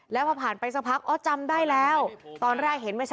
แล้วพอผ่านไปสักพักอ้อจำได้แล้วตอนแรกเห็นไม่ชัดตอนนี้เห็นหน้าชัด